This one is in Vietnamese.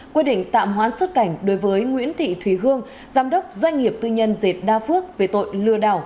quy định tạm hoãn xuất cảnh đối với nguyễn thị thùy hương giám đốc doanh nghiệp tư nhân dệt đa phước về tội lừa đảo